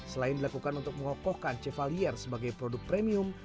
selain dilakukan untuk mengokohkan cevalier sebagai produk premium